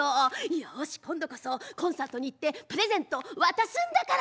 よし今度こそコンサートに行ってプレゼント渡すんだから。